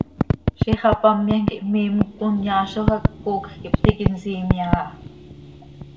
Ziix hapamyam quij miim conyaazoj hac, coocj quih ptiiqui nsiimyam aha.